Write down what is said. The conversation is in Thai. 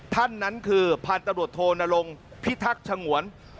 ท่านนั้นคือพันธุ์ตำรวจโทนรงพิทักษ์ฉงวน